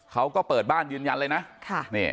เขาก็เปิดบ้านยืนยันเลยนะ